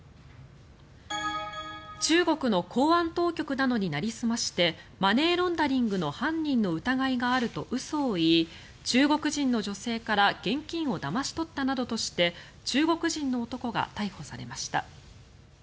中国の公安当局などになりすましてマネーロンダリングの犯人の疑いがあると嘘を言い中国人の女性から現金をだまし取ったなどとして中国人の男が逮捕されました。